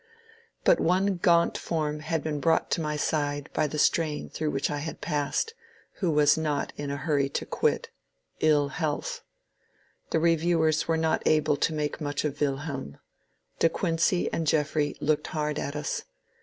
But one gaunt form had been brought to my side by the strain through which I had passed, who was not in a hurry to quit — ill health. The reviewers were not able to make much of Wilhelm. De Quincey and Jeffrey looked hard at us.